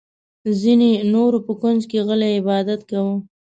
ځینې نورو په کونج کې غلی عبادت کاوه.